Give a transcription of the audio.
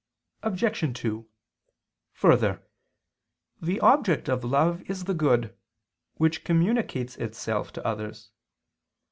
Obj. 2: Further, the object of love is the good, which communicates itself to others.